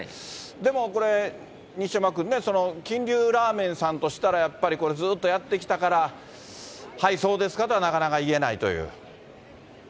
でもこれ、西山君ね、金龍ラーメンさんとしたら、やっぱり、これ、ずっとやってきたから、はいそうですかとは、なかなか言えないという。